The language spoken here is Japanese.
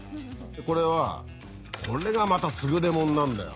これはこれがまた優れもんなんだよ。